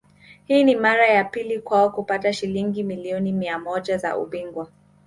Hii ni mara ya pili kwao kutupa Shilingi milioni mia moja za ubingwa